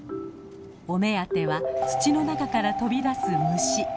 お目当ては土の中から飛び出す虫。